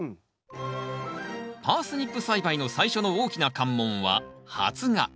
パースニップ栽培の最初の大きな関門は発芽。